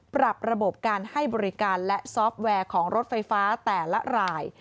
ปรับระบบการให้บริการและซอฟต์แวร์ของรถไฟฟ้าแต่ละราย